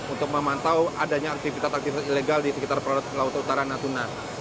untuk memantau adanya aktivitas aktivitas ilegal di sekitar laut utara natuna